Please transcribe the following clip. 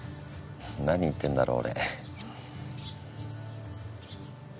何言ってんだろう俺。